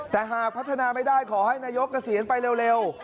แต่หากพัฒนาไม่ได้ขอให้นายกเกษียณไปเร็ว